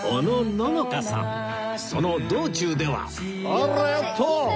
その道中では